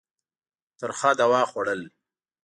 ترخه دوا خوړل.